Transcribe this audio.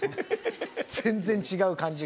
全然違う感じが。